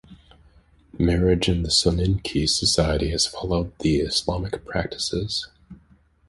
Marriage in the Soninke society has followed the Islamic practices.